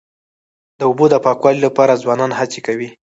د اوبو د پاکوالي لپاره ځوانان هڅې کوي.